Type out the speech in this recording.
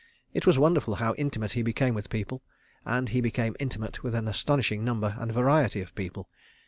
It was wonderful how intimate he became with people, and he became intimate with an astonishing number and variety of people.